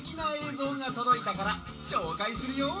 ぞうがとどいたからしょうかいするよ！